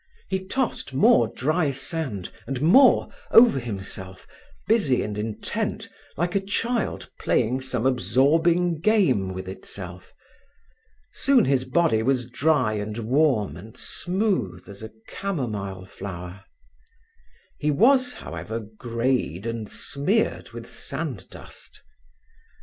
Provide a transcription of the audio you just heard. He tossed more dry sand, and more, over himself, busy and intent like a child playing some absorbing game with itself. Soon his body was dry and warm and smooth as a camomile flower. He was, however, greyed and smeared with sand dust.